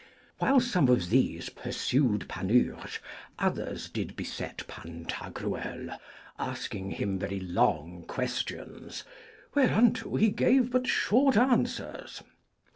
While some of these pursued Panurge others did beset Pantagruel; asking him very long questions, whereunto he gave but short answers.